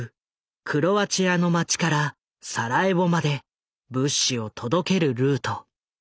クロアチアの街からサラエボまで物資を届けるルート。